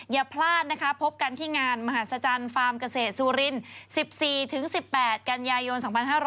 อย่าพลาดนะคะพบกันที่งานมหาศจรรย์ฟาร์มเกษตรสุริน๑๔๑๘กันยายน๒๕๖๐